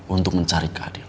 untuk mencari keadilan